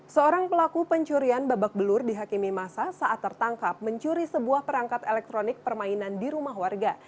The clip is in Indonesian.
seorang pelaku pencurian babak belur dihakimi masa saat tertangkap mencuri sebuah perangkat elektronik permainan di rumah warga